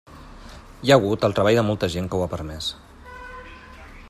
Hi ha hagut el treball de molta gent que ho ha permès.